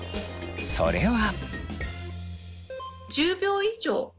それは。